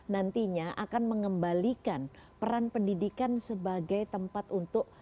nantinya akan mengembalikan peran pendidikan sebagai tempat untuk